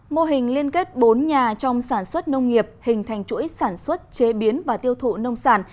mô hình liên kết bốn nhà trong sản xuất nông nghiệp hình thành chuỗi sản xuất chế biến và tiêu thụ nông sản